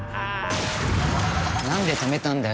なんで止めたんだよ？